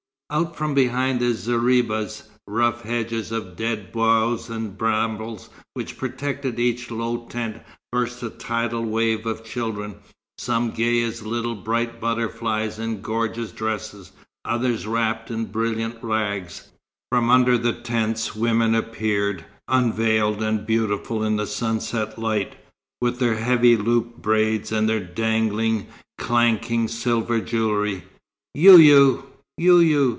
Out from behind the zeribas, rough hedges of dead boughs and brambles which protected each low tent, burst a tidal wave of children, some gay as little bright butterflies in gorgeous dresses, others wrapped in brilliant rags. From under the tents women appeared, unveiled, and beautiful in the sunset light, with their heavy looped braids and their dangling, clanking silver jewellery. "You you! you you!"